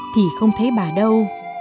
thì không thấy bà đâu